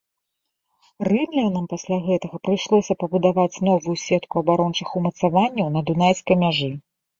Рымлянам пасля гэтага прыйшлося пабудаваць новую сетку абарончых умацаванняў на дунайскай мяжы.